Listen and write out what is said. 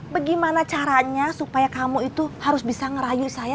bagaimana caranya supaya kamu itu harus bisa ngerayu saya